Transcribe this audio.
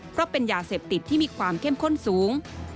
เพราะเป็นยาเสพติดที่มีความเข้มข้นสูง